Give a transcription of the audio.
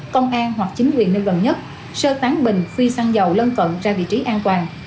công an hoặc chính quyền nơi gần nhất sơ tán bình phi xăng dầu lân cận ra vị trí an toàn